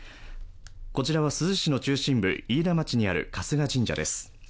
こちらは珠洲市の中心部、飯田町にある春日神社です。